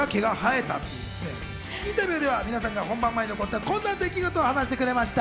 インタビューでは皆さんが本番前に起こった、こんな出来事を話してくれました。